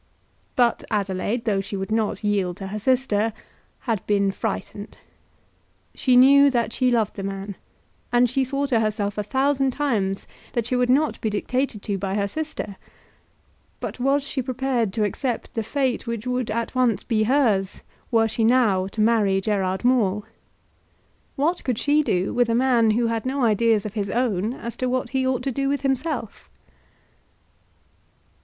But Adelaide, though she would not yield to her sister, had been frightened. She knew that she loved the man, and she swore to herself a thousand times that she would not be dictated to by her sister; but was she prepared to accept the fate which would at once be hers were she now to marry Gerard Maule? What could she do with a man who had no ideas of his own as to what he ought to do with himself?